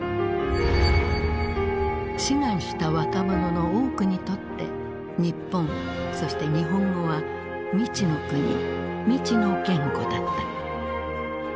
志願した若者の多くにとって日本そして日本語は未知の国未知の言語だった。